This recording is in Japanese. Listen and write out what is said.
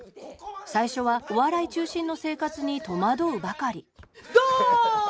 最初はお笑い中心の生活に戸惑うばかりドーン！